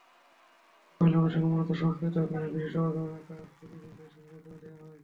পয়লা বৈশাখে মূলত সংস্কৃতি অঙ্গনে বিশেষ অবদান রাখা গুণীজনদের সংবর্ধনা দেওয়া হয়।